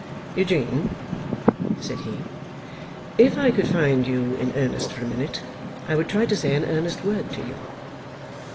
'Eugene,' said he, 'if I could find you in earnest for a minute, I would try to say an earnest word to you.